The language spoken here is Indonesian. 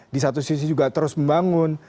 di satu sisi juga terus membangun